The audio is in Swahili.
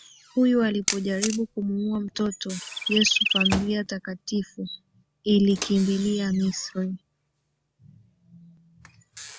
Huyu alipojaribu kumuua mtoto Yesu familia takatifu ilikimbilia Misri